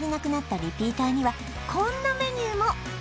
リピーターにはこんなメニューも！